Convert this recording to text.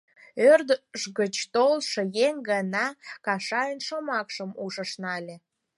Ӧрдыж гыч толшо еҥ гына Кажайын шомакшым ушыш нале.